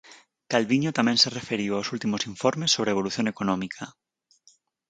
Calviño tamén se referiu aos últimos informes sobre a evolución económica.